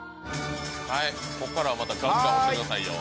はいここからはまたガンガン押してくださいよ。